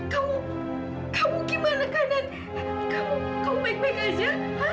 kamu kamu gimana kanan kamu baik baik aja